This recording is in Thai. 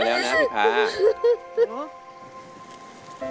คุณแหววมาแล้วนะพี่พา